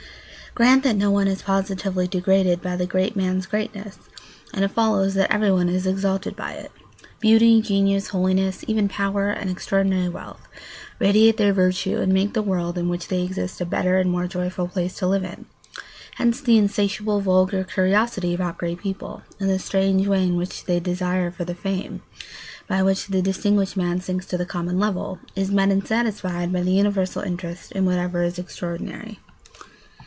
Grant that no one is positively degraded by the great man's greatness and it follows that everyone is exalted by it. Beauty, genius, holiness, even power and extraordinary wealth, radiate their virtue and make the world in which they exist a better and a more joyful place to live in. Hence the insatiable vulgar curiosity about great people, and the strange way in which the desire for fame (by which the distinguished man sinks to the common level) is met and satisfied by the universal interest in whatever is extraordinary.